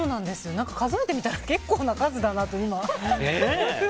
数えてみたら結構な数だなと。